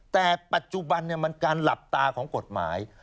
แต่ปัจจุบันมันการหลับตาของกฎหมาย